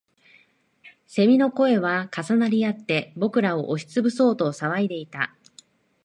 蝉の声は重なりあって、僕らを押しつぶそうと騒いでいた